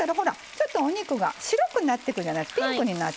ちょっとお肉が白くなってくるじゃないですかピンクになってくる。